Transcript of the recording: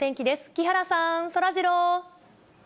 木原さん、そらジロー。